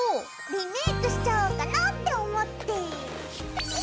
リメイクしちゃおうかなって思って！